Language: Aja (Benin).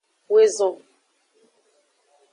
Woezon.